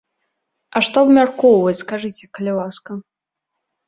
А што абмяркоўваць, скажыце, калі ласка?